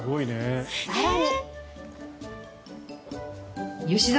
更に。